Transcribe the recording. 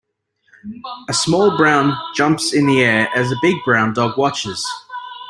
A small brown jumps in the air as a big brown dog watches.